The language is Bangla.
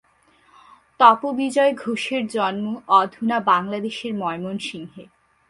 তপোবিজয় ঘোষের জন্ম অধুনা বাংলাদেশের ময়মনসিংহে।